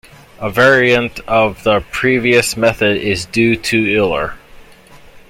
A variant of the previous method is due to Euler.